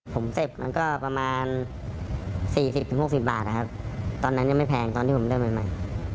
ผมเสพมันก็ประมาณสี่สิบถึงหกสิบบาทครับตอนนั้นยังไม่แพงตอนที่ผมได้ใหม่